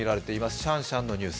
シャンシャンのニュース。